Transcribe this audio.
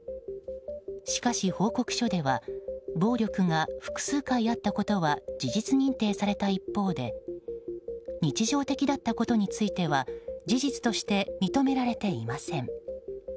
しかし報告書では暴力が複数回あったことは事実認定された一方で日常的だったことについては事実として認められていません。